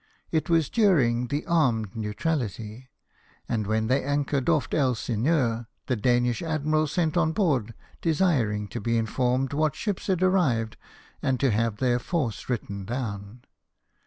It was during the armed neutrality, and when they anchored off Elsineur, the Danish admiral sent on board, desiring to be informed what ships had arrived, and to have their force written down.